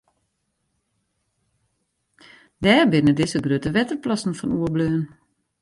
Dêr binne dizze grutte wetterplassen fan oerbleaun.